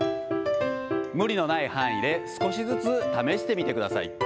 無理のない範囲で少しずつ試してみてください。